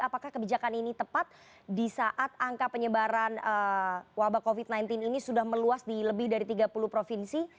apakah kebijakan ini tepat di saat angka penyebaran wabah covid sembilan belas ini sudah meluas di lebih dari tiga puluh provinsi